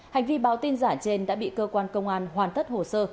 hành vi báo tin giả trên đã bị cơ quan công an hoàn tất hồ sơ